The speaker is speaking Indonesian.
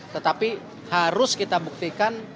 tetapi harus kita buktikan